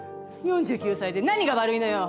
４９歳で何が悪いのよ！